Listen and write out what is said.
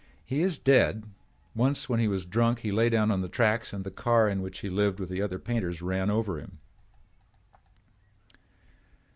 He is dead. Once when he was drunk he lay down on the tracks and the car in which he lived with the other painters ran over him."